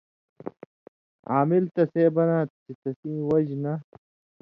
عامل تسے بناں تھہ چے تسیں وجہۡ نہ